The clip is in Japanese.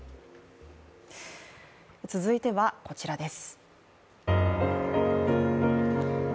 続いては、こちらです。